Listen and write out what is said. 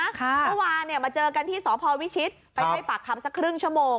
เมื่อวานมาเจอกันที่สพวิชิตไปให้ปากคำสักครึ่งชั่วโมง